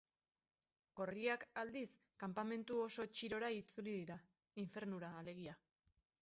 Gorriak, aldiz, kanpamentu oso txirora itzuli dira, infernura alegia.